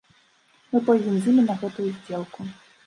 Мы пойдзем з імі на гэтую здзелку.